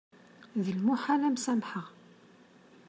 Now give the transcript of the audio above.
D lmuḥal ad m-samḥeɣ.